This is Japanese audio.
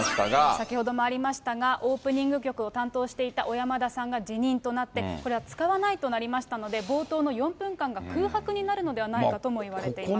先ほどもありましたが、オープニング曲を担当していた小山田さんが辞任となって、これは使わないとなりましたので、冒頭の４分間が空白になるのではないかともいわれています。